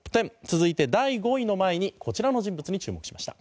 続いて第５位の前にこちらの人物に注目しました。